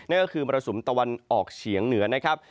นั่นก็คือมรสุมตะวันออกเฉียงเหนือนะครับ